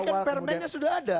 tapi kan permennya sudah ada